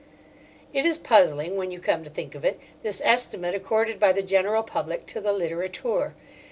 It is puzzling, when you come to think of it, this estimate accorded by the general public to the littérateur.